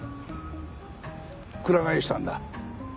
くら替えしたんだ。